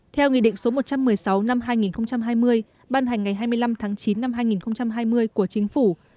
theo nghị định số một trăm một mươi sáu năm hai nghìn hai mươi ban hành ngày hai mươi năm tháng chín năm hai nghìn hai mươi của chính phủ